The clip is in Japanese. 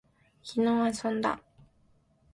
昨日遊んだ